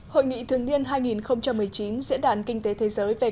hội nghị thường niên hai nghìn một mươi chín diễn đàn kinh tế thế giới